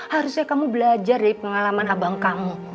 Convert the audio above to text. harusnya kamu belajar dari pengalaman abang kamu